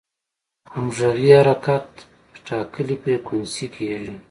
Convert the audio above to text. همغږي حرکت په ټاکلې فریکونسي کېږي.